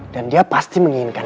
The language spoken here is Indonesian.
dan dia pasti menginginkan